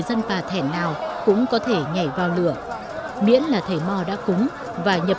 không có biết gì cả